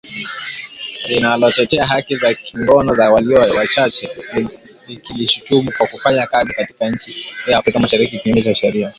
linalotetea haki za kingono za walio wachache likilishutumu kwa kufanya kazi katika nchi hiyo ya Afrika Mashariki kinyume cha sheria